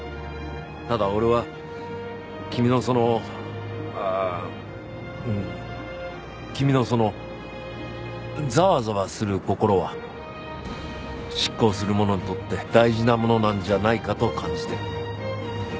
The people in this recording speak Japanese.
ただ俺は君のそのうん。君のそのざわざわする心は執行する者にとって大事なものなんじゃないかと感じてる。